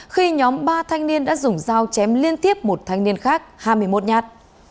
khi nhóm ba thanh niên đã dùng dao chém liên tiếp một thanh niên khác hai mươi một nhát